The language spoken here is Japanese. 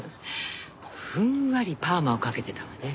ふんわりパーマをかけてたわね。